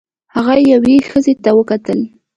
هغه یوې ښځې ته وکتل.